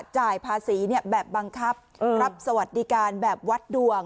จ่ายภาษีแบบบังคับรับสวัสดิการแบบวัดดวง